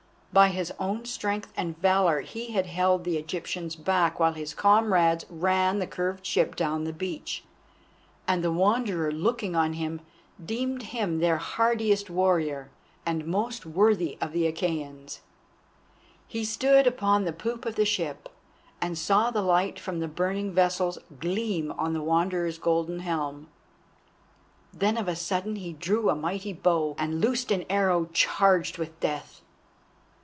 By his own strength and valour he had held the Egyptians back while his comrades ran the curved ship down the beach, and the Wanderer, looking on him, deemed him their hardiest warrior and most worthy of the Achæans. He stood upon the poop of the ship, and saw the light from the burning vessels gleam on the Wanderer's golden helm. Then of a sudden he drew a mighty bow and loosed an arrow charged with death.